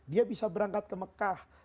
dia bisa berangkat ke mekah